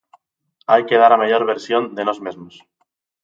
Hai que dar a mellor versión de nós mesmos.